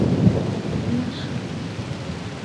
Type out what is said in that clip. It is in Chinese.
母叶氏。